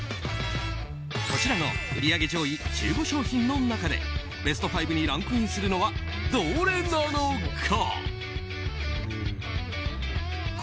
こちらの売り上げ上位１５商品の中でベスト５にランクインするのはどれなのか？